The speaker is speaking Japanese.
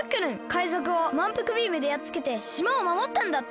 かいぞくをまんぷくビームでやっつけてしまをまもったんだって。